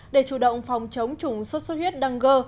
để chủ động phòng chống chủng sốt xuất huyết đăng gơ